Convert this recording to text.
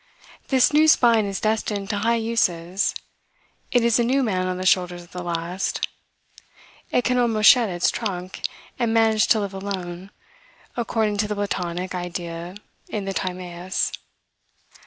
This new spine is destined to high uses. It is a new man on the shoulders of the last. It can almost shed its trunk, and manage to live alone, according to the Platonic idea in the Timaeus.